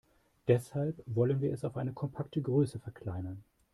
Deshalb wollen wir es auf eine kompakte Größe verkleinern.